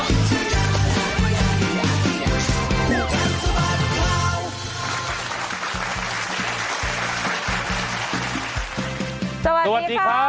สวัสดีครับสวัสดีครับ